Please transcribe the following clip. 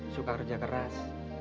suka kerja keras